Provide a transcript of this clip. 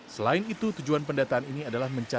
selain itu tujuan pendataan ini adalah mencatat jumlah becak